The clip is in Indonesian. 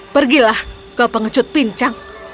pergilah kau pengecut pincang